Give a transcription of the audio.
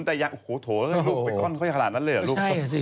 แต่ยังโถ่ลูกไปกล้อนเขาอย่างนั้นเลยหรือลูก